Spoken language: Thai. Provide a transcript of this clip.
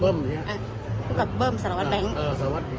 เบิ้มเนี้ยอ่ะคุกกับเบิ้มสารวัตรแบงค์เอ่อ